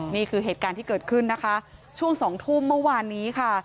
นี่คือเหตุการณ์ที่เกิดขึ้นนะคะช่วง๒ทุ่มเมื่อวานนี้ค่ะ